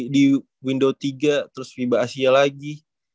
di window tiga terus fiba asia lagi